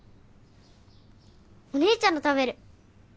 お姉ちゃんと食べる！